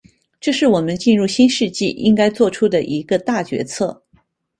这是我们进入新世纪应该作出的一个大决策。